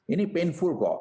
ini painful kok